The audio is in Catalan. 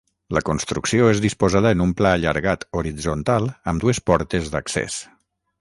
La construcció és disposada en un pla allargat horitzontal amb dues portes d'accés.